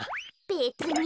べつに。